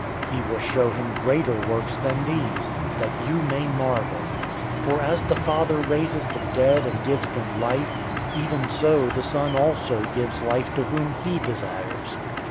He will show him greater works than these, that you may marvel. 005:021 For as the Father raises the dead and gives them life, even so the Son also gives life to whom he desires.